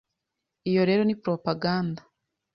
Iyo rero ni propaganda,